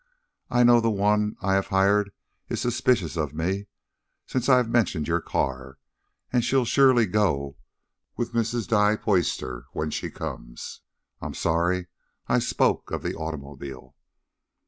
I know the one I have hired is suspicious of me, since I have mentioned your car, and she'll surely go with Mrs. Duy Puyster when she comes. I'm sorry I spoke of the automobile."